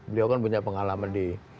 beliau kan punya pengalaman di